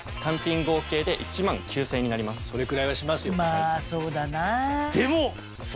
まぁそうだなぁ。